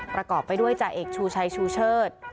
ประกอบไปด้วยจ่าเอกชูชัยชูเชิด